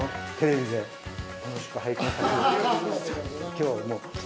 今日も。